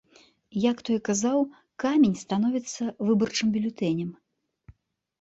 Як той казаў, камень становіцца выбарчым бюлетэнем.